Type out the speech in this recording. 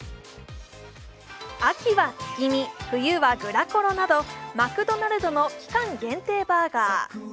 秋は「月見」、冬は「グラコロ」などマクドナルドの期間限定バーガー。